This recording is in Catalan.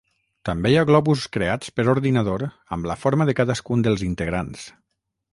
També hi ha globus creats per ordinador amb la forma de cadascun dels integrants.